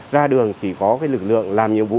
ra đường chỉ có lực lượng làm nhiệm vụ